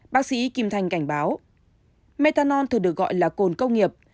bác sĩ kim thành cảnh báo methanol thường được gọi là cồn công nghiệp